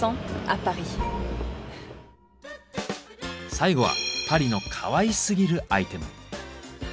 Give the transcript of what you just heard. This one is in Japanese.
最後はパリのかわいすぎるアイテム。